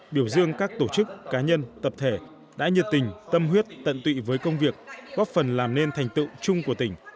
biểu dương các tổ chức cá nhân tập thể đã nhiệt tình tâm huyết tận tụy với công việc góp phần làm nên thành tựu chung của tỉnh